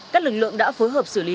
các lực lượng đã phối hợp xử lý